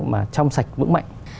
mà trong sạch vững mạnh